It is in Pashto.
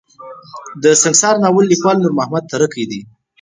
د سنګسار ناول ليکوال نور محمد تره کی دی.